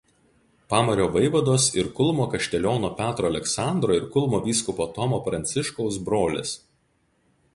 Pamario vaivados ir Kulmo kašteliono Petro Aleksandro ir Kulmo vyskupo Tomo Pranciškaus brolis.